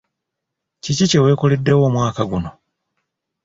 Kiki kye weekoleddewo omwaka guno?